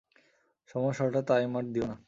সমস্যাটা টাইমার নিয়ে না!